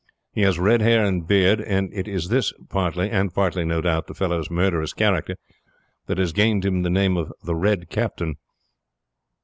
He has red hair and beard; and it is this partly, and partly no doubt the fellow's murderous character, that has gained him the name of the Red Captain.